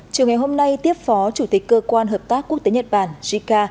chiều ngày hôm nay tiếp phó chủ tịch cơ quan hợp tác quốc tế nhật bản jica